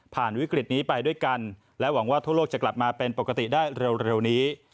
วิกฤตนี้ไปด้วยกันและหวังว่าทั่วโลกจะกลับมาเป็นปกติได้เร็วนี้